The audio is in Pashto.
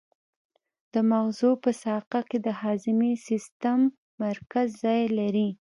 د مغزو په ساقه کې د هضمي سیستم مرکز ځای لري.